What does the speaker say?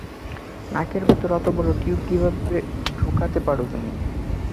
নাকের ভেতরে এতবড় টিউব কীভাবে ঢুকাতে পারো তুমি?